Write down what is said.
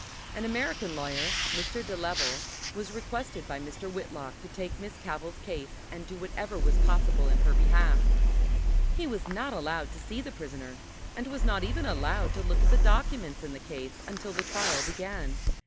An American lawyer, Mr. de Leval, was requested by Mr. Whitlock to take Miss Cavell's case and do whatever was possible in her behalf. He was not allowed to see the prisoner and was not even allowed to look at the documents in the case until the trial began.